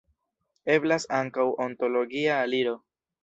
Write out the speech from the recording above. Eblas ankaŭ ontologia aliro.